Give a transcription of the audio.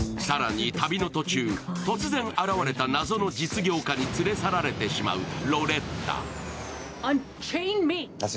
更に、旅の途中、突然現れた謎の実業家に連れ去られてしまうロレッタ。